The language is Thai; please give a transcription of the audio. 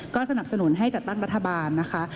ก็สนับสนุนให้จัดตั้งรัฐบาลนะคะ